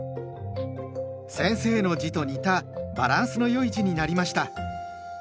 先生の字と似たバランスの良い字になりました。